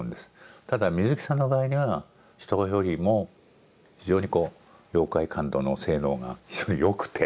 ただ水木さんの場合には人よりも非常にこう妖怪感度の性能が非常に良くて。